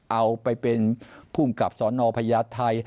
เอาไปเป็นภูมิกับสนพญาไทย